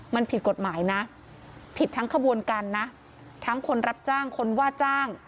มันผิดกฎหมายนะผิดทั้งขบวนการนะทั้งคนรับจ้างคนว่าจ้าง